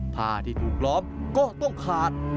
ผ้าที่ถูกล้อมก็ต้องขาด